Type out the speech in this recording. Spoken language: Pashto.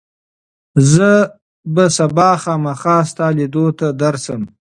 زه به سبا خامخا ستا لیدو ته درشم.